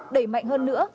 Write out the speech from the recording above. đẩy mạnh hơn nữa